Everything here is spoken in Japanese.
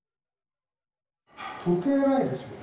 時計ないですよね。